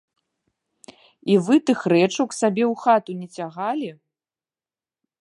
І вы тых рэчаў к сабе ў хату не цягалі?